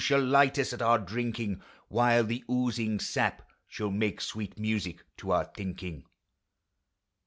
Shall light us at our drinking; While the oozing sap Shall make sweet music to our thinking.